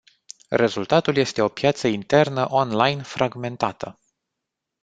Rezultatul este o piață internă online fragmentată.